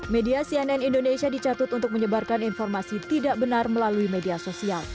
media cnn indonesia dicatut untuk menyebarkan informasi tidak benar melalui media sosial